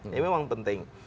ini memang penting